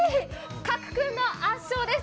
加来君の圧勝です。